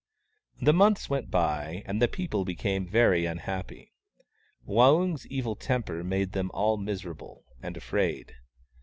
The months went by, and the people became very unhappy. Waung's evil temper made them all miserable and afraid.